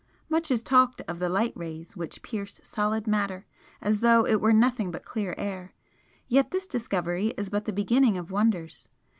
Much is talked of the 'light rays' which pierce solid matter as though it were nothing but clear air yet this discovery is but the beginning of wonders.